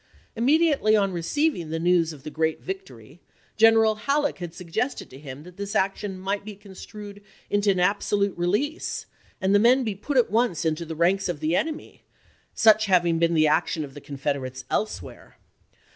Im mediately on receiving the news of the great victory General Halleck had suggested to him that this action might be construed into an absolute release, and the men be put at once into the ranks of the enemy, such having been the action of the Confederates elsewhere.